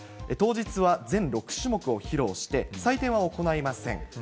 当日は全６種目を披露して、採点は行いません。